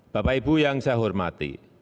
bapak ibu yang saya hormati